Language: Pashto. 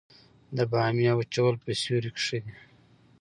د بامیې وچول په سیوري کې ښه دي؟